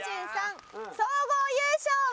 総合優勝は。